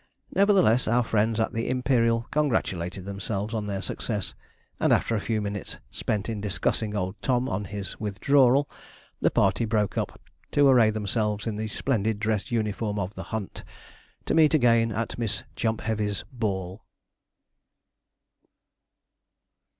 Nevertheless, our friends at the 'Imperial' congratulated themselves on their success; and after a few minutes spent in discussing old Tom on his withdrawal, the party broke up, to array themselves in the splendid dress uniform of the 'Hunt,' to meet again at Miss Jumpheavy's ball.